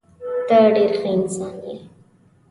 ته ډېر ښه انسان یې.